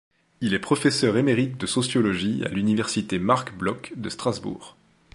Il est professeur émérite de sociologie à l’Université Marc Bloch de Strasbourg.